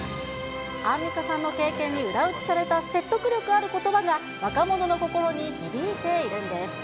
アンミカさんの経験に裏打ちされた説得力あることばが、若者の心に響いているんです。